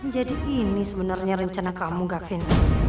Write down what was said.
jadi ini sebenarnya rencana kamu gakvin